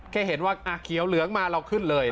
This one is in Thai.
แค่เห็นว่าเขียวเหลืองมาเราขึ้นเลย